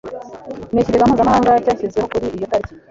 n'ikigega mpuzamahanga cyashyizweho kuri iyo taliki